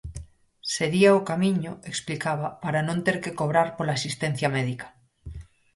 Sería o camiño, explicaba, para non ter que "cobrar" pola asistencia médica.